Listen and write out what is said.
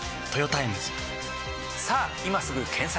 さぁ今すぐ検索！